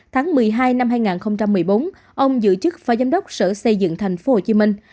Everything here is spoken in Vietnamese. tháng một mươi hai năm hai nghìn một mươi bốn ông giữ chức phó giám đốc sở xây dựng thành phố hồ chí minh